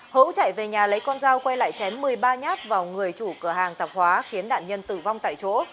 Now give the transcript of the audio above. hữu chạy về nhà lấy con dao quay lại chém một mươi ba nhát vào người chủ cửa hàng tạp hóa khiến nạn nhân tử vong tại chỗ